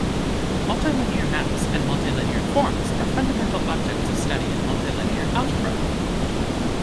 Multilinear maps and multilinear forms are fundamental objects of study in multilinear algebra.